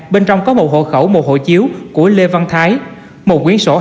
bên trong có một hộ khẩu một hộ chiếu của lê văn thái một quyến sổ